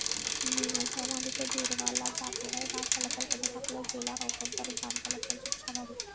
নীলফামারীতে দূরপাল্লার যাত্রীবাহী বাস চলাচল বন্ধ থাকলেও জেলার অভ্যন্তরে যান চলাচল ছিল স্বাভাবিক।